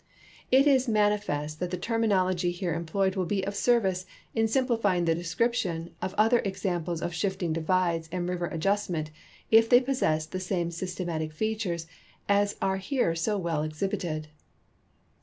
It is manifest that the terminology here employed Avill he of service in simplifying the description of other examples of shift ing divides and river adjustment if they ])Ossess the same sys tematic features as are here so Avell exhibited.